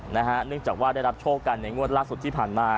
เนื่องจากว่าได้รับโชคกันในงวดล่าสุดที่ผ่านมา